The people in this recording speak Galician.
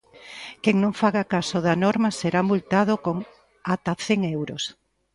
Quen non faga caso da norma será multado con ata cen euros.